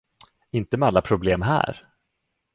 Inte med alla problem här.